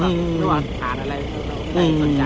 ไม่ว่าถาดอะไรเราได้สนใจไงครับ